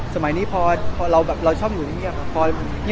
สมัยนี้พอเราอยู่เลี้ยวน่ะ